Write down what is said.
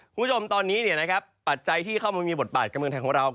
คุณผู้ชมตอนนี้ปัจจัยที่เข้ามามีบทบาทกับเมืองไทยของเรา